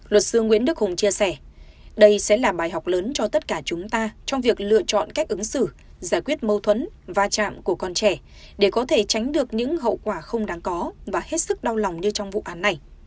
luật sư nguyễn đức hùng chia sẻ đây sẽ là bài học lớn cho tất cả chúng ta trong việc lựa chọn cách ứng xử giải quyết mâu thuẫn và chạm của con trẻ để có thể tránh được những hậu quả không đáng có và hết sức đau lòng như trong vụ án này